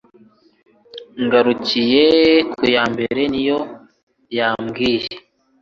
ngarukiye Kuya mbere niyo yambwiye